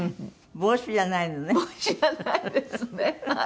帽子じゃないですねはい。